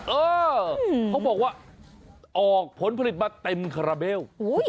เออเขาบอกว่าออกผลผลิตมาเต็มคาราเบล